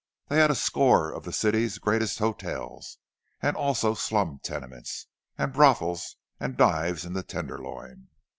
They had a score of the city's greatest hotels—and also slum tenements, and brothels and dives in the Tenderloin.